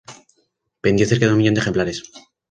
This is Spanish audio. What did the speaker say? Vendió cerca de un millón de ejemplares.